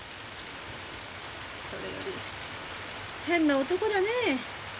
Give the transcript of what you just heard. それより変な男だねえ。